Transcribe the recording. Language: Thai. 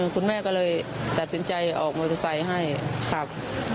คุณแม่ก็เลยตัดสินใจออกมอเตอร์ไซค์ให้ครับ